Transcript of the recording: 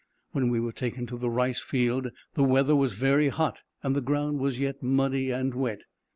When we were taken to the rice field, the weather was very hot, and the ground was yet muddy and wet.